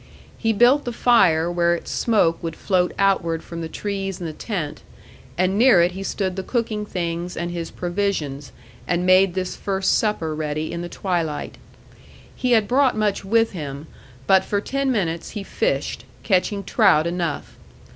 He built the fire where its smoke would float outward from the trees and the tent, and near it he stood the cooking things and his provisions, and made this first supper ready in the twilight. He had brought much with him; but for ten minutes he fished, catching trout enough.